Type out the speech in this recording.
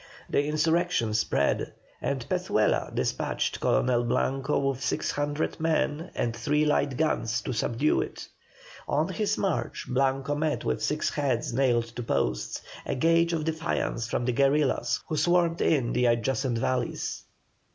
The insurrection spread, and Pezuela despatched Colonel Blanco with six hundred men and three light guns, to subdue it. On his march Blanco met with six heads nailed to posts, a gage of defiance from the guerillas who swarmed in the adjacent valleys.